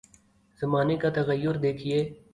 زمانے کا تغیر دیکھیے۔